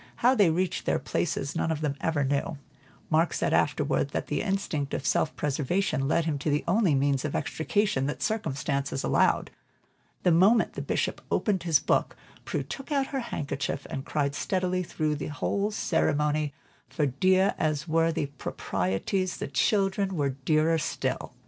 How they reached their places none of them ever knew; Mark said afterward, that the instinct of self preservation led him to the only means of extrication that circumstances allowed. The moment the Bishop opened his book, Prue took out her handkerchief and cried steadily through the entire ceremony, for dear as were the proprieties, the "children" were dearer still.